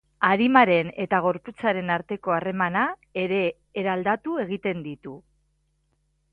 Arimaren eta gorputzaren arteko harremana ere eraldatu egiten ditu.